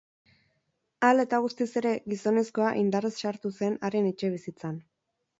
Hala eta guztiz ere, gizonezkoa indarrez sartu zen haren etxebizitzan.